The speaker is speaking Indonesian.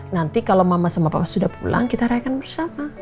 nanti kalau mama sama papa sudah pulang kita rayakan bersama